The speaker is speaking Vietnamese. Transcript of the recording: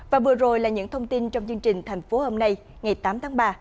và vừa rồi là những thông tin trong chương trình thành phố hôm nay ngày tám tháng ba